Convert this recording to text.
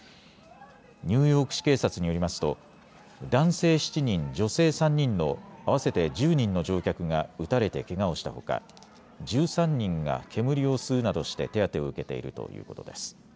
ニューヨーク市警察によりますと男性７人、女性３人の合わせて１０人の乗客が撃たれてけがをしたほか１３人が煙を吸うなどして手当てを受けているということです。